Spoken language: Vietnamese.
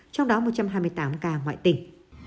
trong đó một trăm hai mươi tám ca ngoại tình